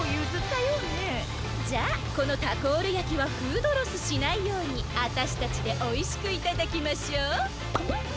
じゃあこのタコールやきはフードロスしないようにあたしたちでおいしくいただきましょう。